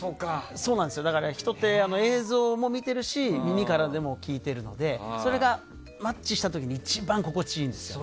だから人って映像も見てるし耳からでも聞いてるのでそれがマッチした時に一番心地いいんですよ。